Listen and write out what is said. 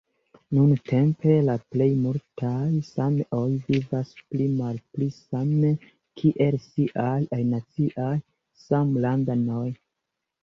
Nuntempe la plej multaj sameoj vivas pli-malpli same kiel siaj alinaciaj samlandanoj.